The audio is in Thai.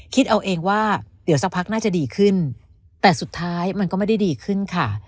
คิดเอาเองว่าเดี๋ยวสักพักน่าจะดีขึ้นแต่สุดท้ายมันก็ไม่ได้ดีขึ้นค่ะ